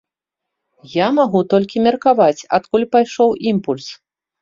Я магу толькі меркаваць, адкуль пайшоў імпульс.